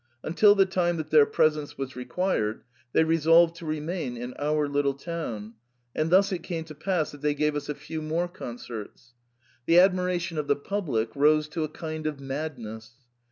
Until the time that their presence was required they resolved to remain in our little town, and thus it came to pass that they gave us a few more concerts. The admiration of the public rose to a kind of madness.